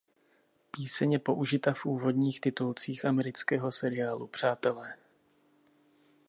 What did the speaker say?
Píseň je použita v úvodních titulcích amerického seriálu Přátelé.